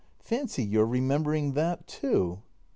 Fancy your remembering that too!